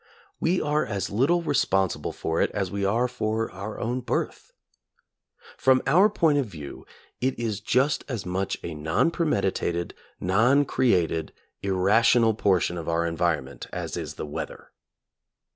We are as little responsible for it as we are for our own birth. From our point of view it is just as much a non premeditated, non created, irrational portion of our environment, as is the weather.